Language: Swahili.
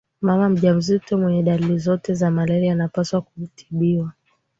mama mjamzito mwenye dalili zote za malaria anapaswa kutibiwa